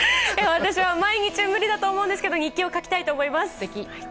私は毎日無理だと思うんですけど日記を書きたいと思います。